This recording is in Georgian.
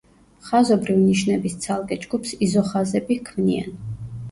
ხაზობრივ ნიშნების ცალკე ჯგუფს იზოხაზები ქმნიან.